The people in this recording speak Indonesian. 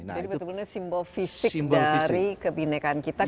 jadi betul betulnya simbol fisik dari kebinaikan kita